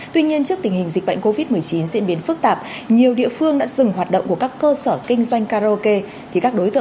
tuy nhiên trước tình hình dịch bệnh covid một mươi chín diễn biến phức tạp nhiều địa phương đã dừng hoạt động của các cơ sở kinh doanh karaoke